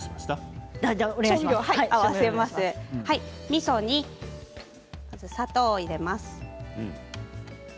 みそに砂糖を入れます。